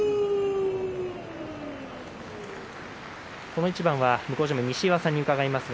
この一番は向正面の西岩さんに伺います。